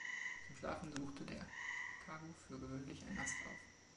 Zum Schlafen sucht der Kagu für gewöhnlich einen Ast auf.